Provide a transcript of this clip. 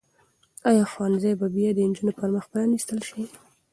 آیا ښوونځي به بیا د نجونو پر مخ پرانیستل شي؟